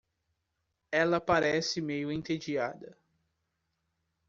Ela parece meio entediada.